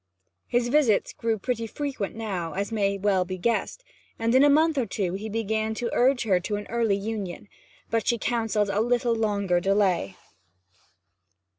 His visits grew pretty frequent now, as may well be guessed, and in a month or two he began to urge her to an early union. But she counselled a little longer delay.